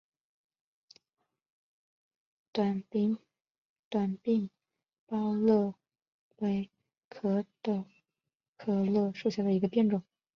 短柄枹栎为壳斗科栎属下的一个变种。